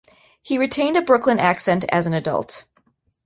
He retained a Brooklyn accent as an adult.